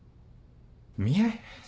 見合い？